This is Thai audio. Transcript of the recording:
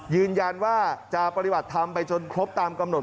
ยืนยันว่าจะปฏิบัติธรรมไปจนครบตามกำหนด